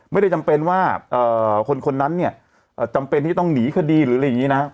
จำเป็นว่าคนนั้นเนี่ยจำเป็นที่ต้องหนีคดีหรืออะไรอย่างนี้นะ